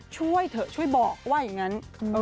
ช่วยเถอะช่วยบอกว่าอย่างนั้น